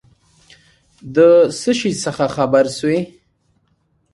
د څه شي څخه خبر سوې ؟